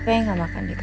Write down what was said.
oke enggak makan gitu